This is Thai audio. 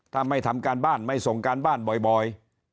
ถ้าไม่ทำการบ้านไม่ส่งการบ้านบ่อย